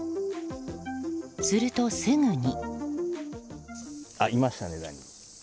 すると、すぐに。